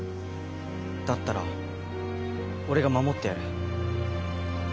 だったら俺が守ってやる。